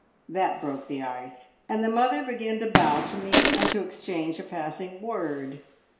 That broke the ice, and the mother began to bow to me, and to exchange a passing word.